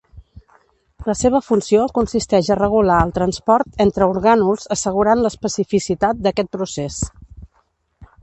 La seva funció consisteix a regular el transport entre orgànuls assegurant l'especificitat d'aquest procés.